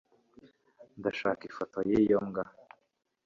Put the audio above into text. ndashaka ifoto yiyo mbwa